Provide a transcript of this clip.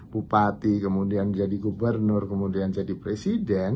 bupati kemudian jadi gubernur kemudian jadi presiden